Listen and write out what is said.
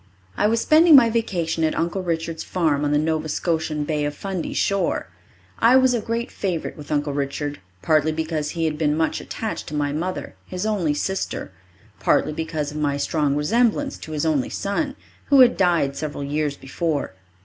I was spending my vacation at Uncle Richard's farm on the Nova Scotian Bay of Fundy shore. I was a great favourite with Uncle Richard, partly because he had been much attached to my mother, his only sister, partly because of my strong resemblance to his only son, who had died several years before.